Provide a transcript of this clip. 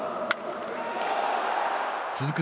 続く